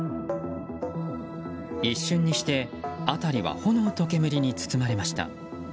一瞬にして辺りは炎と煙に包まれました。